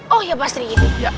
oh ya pak sri giti